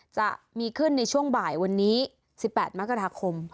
จะมีขึ้นในช่วงบ่ายวันนี้๑๘มกราคม